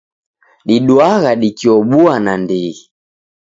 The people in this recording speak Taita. Diduagha dikiobua nandighi.